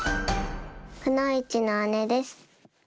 「くのいちの姉」です。